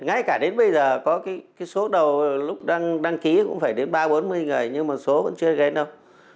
ngay cả đến bây giờ có cái số đầu lúc đăng ký cũng phải đến ba bốn mươi người nhưng mà số vẫn chưa ghen đâu